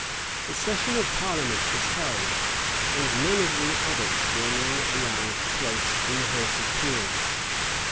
A session of parliament was held; and none of the abbots were now allowed a place in the house of peers.